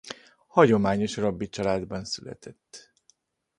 Hagyományos rabbi családban született.